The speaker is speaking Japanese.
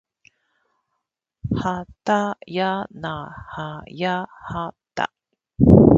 はたやなはやはた